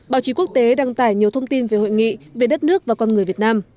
báo chí quốc tế đăng tải nhiều thông tin về hội nghị về đất nước và con người việt nam